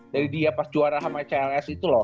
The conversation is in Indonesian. jadi dia pas juara sama cls itu loh